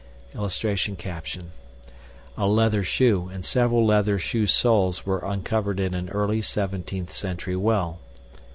[Illustration: A LEATHER SHOE AND SEVERAL LEATHER SHOE SOLES WERE UNCOVERED IN AN EARLY 17TH CENTURY WELL.